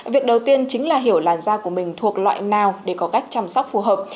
việc đầu tiên chính là hiểu làn da của mình thuộc loại nào để có cách chăm sóc phù hợp